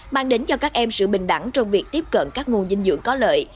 mang đến cho các em sự bình đẳng trong việc tiếp cận các nguồn dinh dưỡng có lợi